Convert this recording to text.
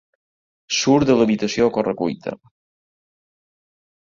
Surt de l'habitació a correcuita.